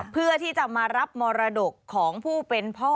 เพื่อที่จะมารับมรดกของผู้เป็นพ่อ